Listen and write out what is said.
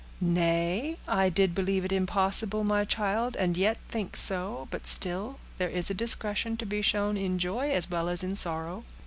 "Nay, I did believe it impossible, my child, and yet think so; but still there is a discretion to be shown in joy as well as in sorrow."